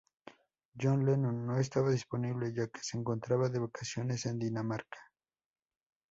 John Lennon no estaba disponible ya que se encontraba de vacaciones en Dinamarca.